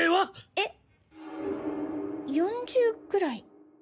えっ４０くらい？